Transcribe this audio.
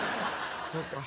そうか。